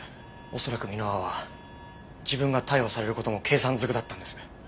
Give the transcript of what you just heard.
恐らく箕輪は自分が逮捕される事も計算ずくだったんです。